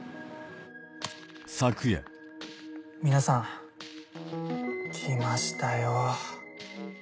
皆さん来ましたよ